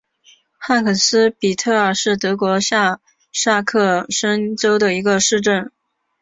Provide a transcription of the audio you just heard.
汉肯斯比特尔是德国下萨克森州的一个市镇。